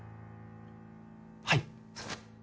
はい。